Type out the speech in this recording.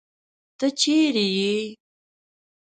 تۀ چېرې ئې ؟